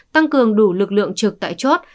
tăng cường đủ lực lượng trực tại chốt